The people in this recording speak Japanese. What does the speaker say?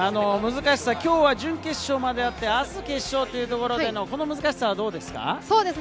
今日は準決勝まであって、明日は決勝というところでの難しさはどうですか？